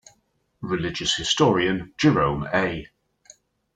Religious historian Jerome A.